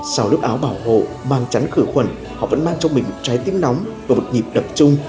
sau lúc áo bảo hộ mang chắn khử khuẩn họ vẫn mang trong mình một trái tim nóng và vực nhịp đập trung